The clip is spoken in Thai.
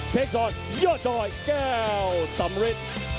เอาไปให้เยอะดอยแก้วสมฤทธิ์